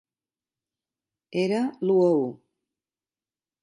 Era l’u a u.